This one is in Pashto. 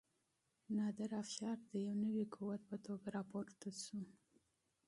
نادر افشار د یو نوي قوت په توګه راپورته شو.